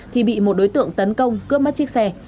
thì bị một đối tượng tấn công cướp mất chiếc xe